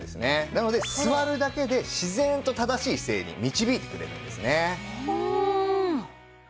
なので座るだけで自然と正しい姿勢に導いてくれるんですね。